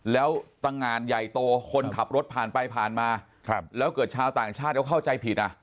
แล้วตั้งงานใหญ่โตคนขับรถผ่านไปผ่านมาแล้วเกิดชาวต่างชาติเขาเข้าใจผิดอ่ะ